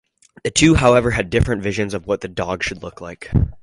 The two however had different visions of what the dog should look like.